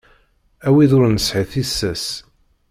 A wid ur nesɛi tissas.